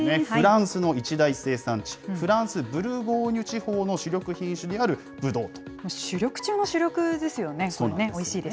フランスの一大生産地、フランス・ブルゴーニュ地方の主力品種であるブドウと。